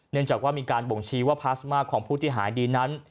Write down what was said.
เนื่องจากว่ามีการบ่งชี้ว่าพลาสมาของผู้ที่หายดีนั้น